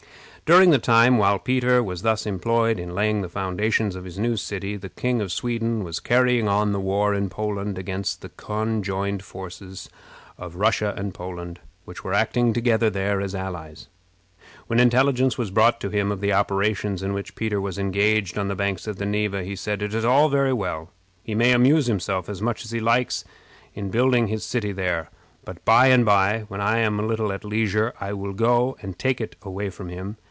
During the time while Peter was thus employed in laying the foundations of his new city, the King of Sweden was carrying on the war in Poland against the conjoined forces of Russia and Poland, which were acting together there as allies. When intelligence was brought to him of the operations in which Peter was engaged on the banks of the Neva, he said, "It is all very well. He may amuse himself as much as he likes in building his city there; but by and by, when I am a little at leisure, I will go and take it away from him.